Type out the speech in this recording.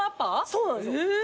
そうなんすよ。